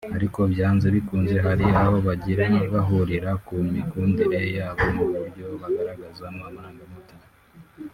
Ariko byanze bikunze hari aho bagira bahurira ku mikundire yabo no mu buryo bagaragazamo amarangamutima